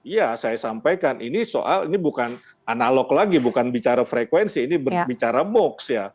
ya saya sampaikan ini soal ini bukan analog lagi bukan bicara frekuensi ini bicara box ya